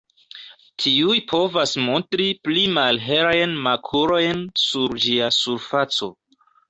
Tiuj povas montri pli malhelajn makulojn sur ĝia surfaco.